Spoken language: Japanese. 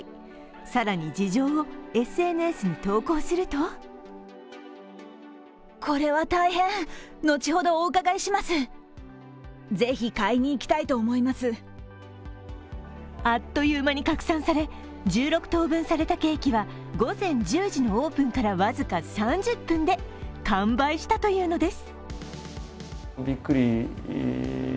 更に事情をＳＮＳに投稿するとあっという間に拡散され、１６等分されたケーキは午前１０時のオープンから僅か３０分で完売したというのです。